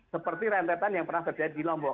seperti rentetan yang pernah terjadi di lombok